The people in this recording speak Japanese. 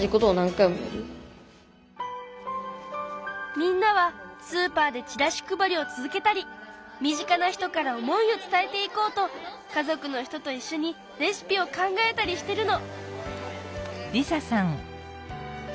みんなはスーパーでチラシ配りを続けたり身近な人から思いを伝えていこうと家族の人といっしょにレシピを考えたりしてるの！